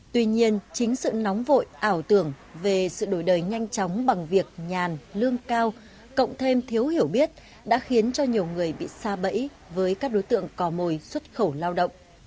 tuy nhiên chính sự nóng vội ảo tưởng về sự đổi đời nhanh chóng bằng việc nhàn lương cao cộng thêm thiếu hiểu biết đã khiến cho nhiều người bị xa bẫy với các đối tượng cò mồi xuất khẩu lao động